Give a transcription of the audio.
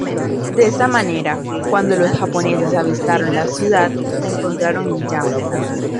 De esta manera, cuando los japoneses avistaron la ciudad, la encontraron en llamas.